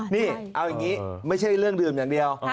นี่เอาอย่างนี้ไม่ใช่เรื่องดื่มอย่างเดียว